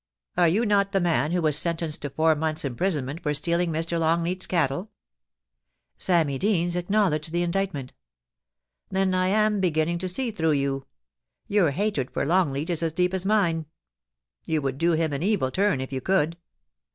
* Are you not the man who was sentenced to four months' imprisonment for stealing Mr. Longleat's cattle ?* Sammy Deans acknowledged the indictment ' Then I am beginning to see through you. Your hatred for Longleat is as deep as mine. You would do him an evil turn if you could.